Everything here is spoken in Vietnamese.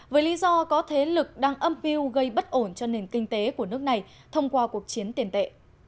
với lý do có thế lực đang âm mưu gây bất ổn cho nền kinh tế của nước này thông qua cuộc chiến tiền tệ